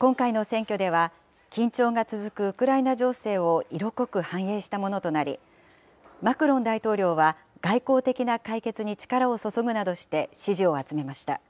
今回の選挙では、緊張が続くウクライナ情勢を色濃く反映したものとなり、マクロン大統領は外交的な解決に力を注ぐなどして、支持を集めました。